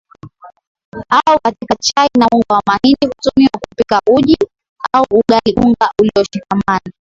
au katika chai na unga wa mahindi hutumiwa kupika uji au ugali Unga ulioshikamana